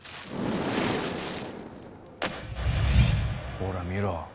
ほら見ろ。